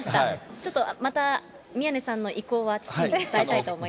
ちょっとまた、宮根さんの意向は父に伝えたいと思います。